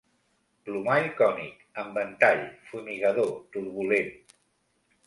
Plomall cònic, en ventall, fumigador, turbulent.